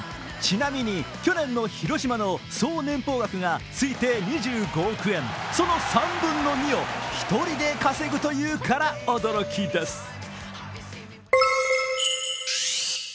ちなみに、去年の広島の総年俸額が推定２５億円、その３分の２を１人で稼ぐというから驚きです。